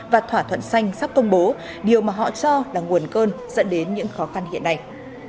và thỏa thuận xanh sắp công bố điều mà họ cho là nguồn cơn dẫn đến những khó khăn hiện nay